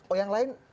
oh yang lain